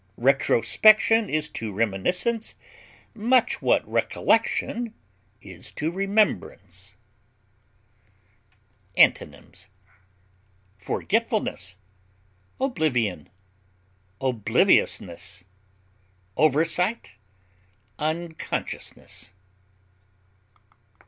Retrospection is to reminiscence much what recollection is to remembrance. Antonyms: forgetfulness, oblivion, obliviousness, oversight, unconsciousness.